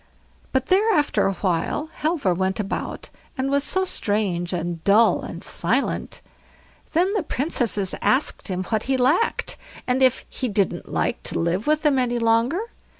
But there after a while, Halvor went about, and was so strange and dull and silent. Then the Princesses asked him what he lacked, and if he didn't like to live with them any longer?